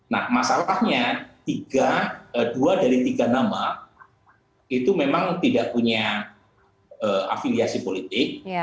nah masalahnya dua dari tiga nama itu memang tidak punya afiliasi politik